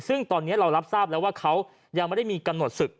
ซึ่งตอนนี้เรารับทราบแล้วว่าเขายังไม่ได้มีกำหนดศึก